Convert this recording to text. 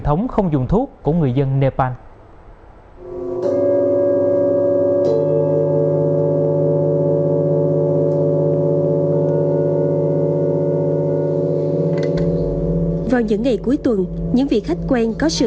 thống không dùng thuốc của người dân nepal vào những ngày cuối tuần những vị khách quen có sự